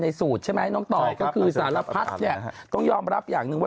ในโซมุสอย่างหนึ่ง